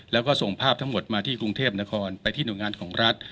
แล้วก็ส่งภาพทั้งหมดมาที่กรุงเทพนครไปที่หน่วยงานของรัฐ